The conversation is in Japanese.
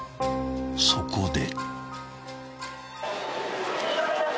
［そこで］